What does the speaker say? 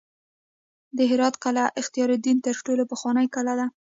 د هرات قلعه اختیارالدین تر ټولو پخوانۍ کلا ده